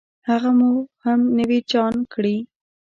هغه مو هم نوي جان کړې.